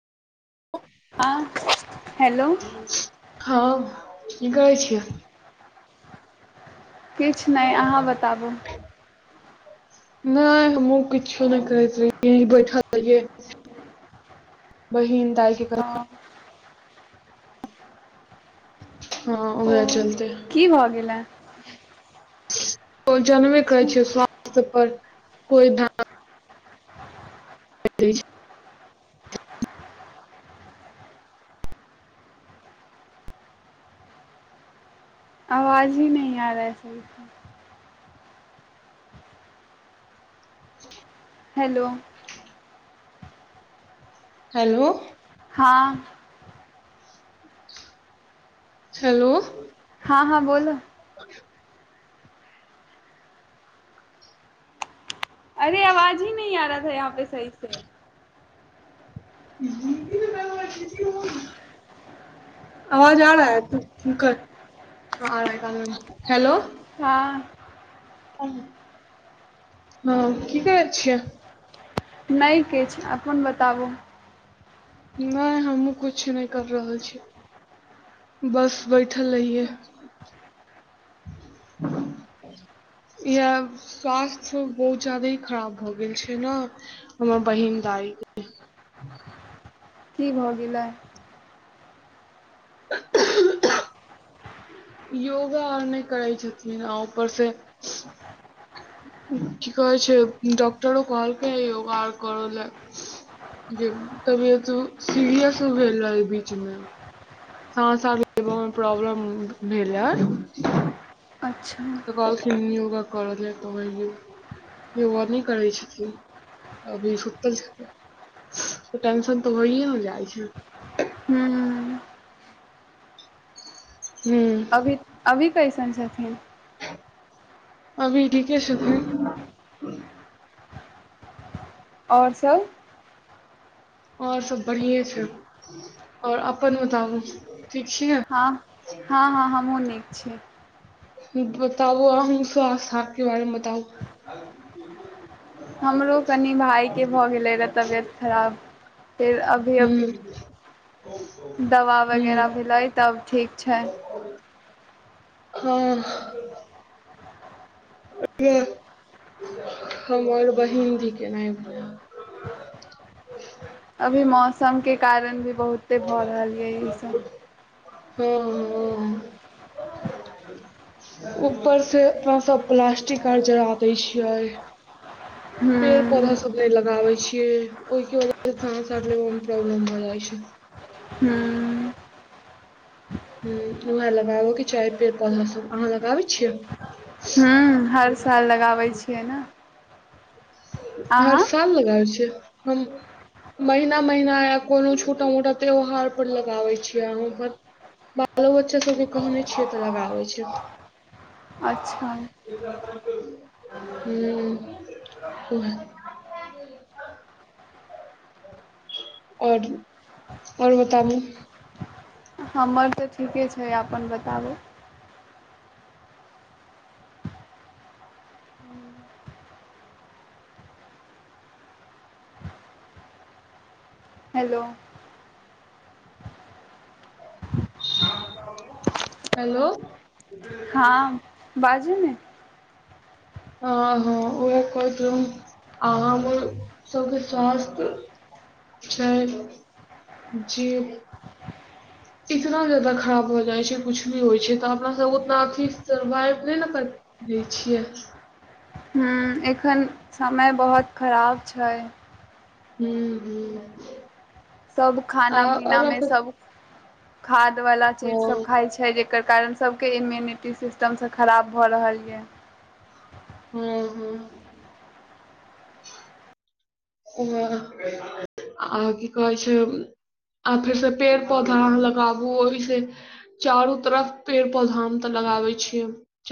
हँ हेलो हँ की करै छियै। किछ नै आहाँ बताबु? नैय हमहूँ किच्छो नै करैत रहिय बैठल रहियै। बहिन दाय। अँ हँ उएहे चलते। की भऽ गेल ए? ओ जनबे करै अच्छा छै स्वास्थ्य पर कोई धान। नै दै छै। आवाज ही नहीं आ रहा है सही से। हेलो हेलो हाँ छेलो हाँ हाँ बोलो भऽ गेल। अरे आवाजे नै आबै या एतऽ सही से। आवाज आ आबै रहा या तू है ठीक कर आबै या कान में लगालिअ हेलो हाँ हँ की करै छियै? नै किछ अपन बताबू। नै हमहूँ कुछ नै कैर रहल छी। बस बैठल रहिये। इहै स्वास्थ्य बहुत जादे ही खराब भऽ गेल छै नऽ। हमर बहिन दाई के- की भऽ गेलै? [unintelligible] योगा और नै करै छथिन आ ऊपर से- की कहै छै डॉक्टरओ कहलकै योगा और करऽ लेए जे तबियत सेहो सीरियस भेल रहै बीच में। हाँ सांस लेबऽ में प्रॉब्लम भेल रहै। अच्छा तऽ कहलखिन योगा करऽ लै तऽ योगा नै करै छथिन अभी सुत्तल छथिन टेंशन तऽ, होइए न जाइ छै। हूं हूँ अभी -अभी कैसन छथिन अभी ठीके छथिन और सब और सब बढ़िएं छय, और अपन बताबू ठीक छीऐ हँ- हँ -हँ हमहुँ नीक छीऐ। बताबु अहिंस आस्था के बारेमे बताउ हमरो कनि भायके भऽ, गेलइ रहए तबियत खराब फेर अभी हू दवा वगैरह भेलै तब ठीक छई हँ कहिया हमर बहिनधी के ऐनाहे भेलै। अभी मौसमके कारण भी बहुते भऽ, रहल यऽ ई सब हँ-हँ ऊपर से अपना सब प्लास्टिक आर जरा दै छियै। पेड़ पोधा ह्म सब अब नै लगाबे छियै ओइके वजह सँ अहाँ सब लेब मे प्रॉब्लम हो जाइ छै। ह्म ह उएह लगाबक के चाही पेड़ पौधा सब अहाँ लगाबै छियै। हू हर साल लगाबै छियै न हर साल लगाबै छीए हम महिना - महिना या कोनो छोटा मोटा त्यौहार पर लगाबइ छियै, अहुं ब बालो बच्चा सबके कहने छियै, तऽ लगाबे छय। अच्छा हुं ओहे आओर- आओर बताबू हमर तऽ, ठीके छय, अपन बताबू हेलो हेलो हँ बाजू ने हँ -हँ उहै कहइत रहुं आ हमरो सबके स्वास्थ छय जै इतना जदा खराब भ जाइ छइ, कुछ भी होइ छय तऽ अपना सब उतना अथी सर्वाइव नए ने करत दै छियै एखन समय बहुत खराब छय। हू -हुं सब खाना पीना मे सब खाद वाला चीज सब हँ खाय छै। छय जेकर कारण सबके इम्यूनिटी सिस्टमसँ खराब भऽ रहल यऽ हँ -हँ ह आ की कहै छै आ फेर से पेड़ पौधा अहाँ लगाबू ओहिसँ चारू तरफ पेड़ पौधा हम तऽ लगाबे छीयै।